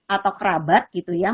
atau kerabat gitu ya